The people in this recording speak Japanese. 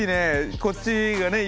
こっちがねよ